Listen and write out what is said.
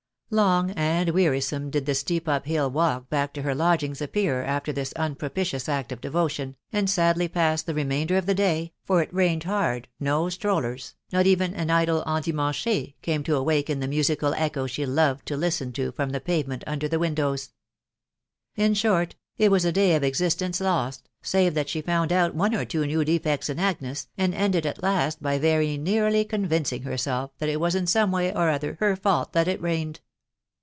Long and wearisome did the steep up hill walk back to her lodgings appear after this unpropitious act of devotion, and sadly passed the remainder of the day, for it rained hard •..• no strollers, not even an idle endimancht, came to awaken the musical echo she loved to listen to from the pavement under the windows. In short, it was a day of existence lost, save that she found out one or two new defects in Agnes, and ended at last by very nearly convincing herself that it was in some way or other her fault that it rained.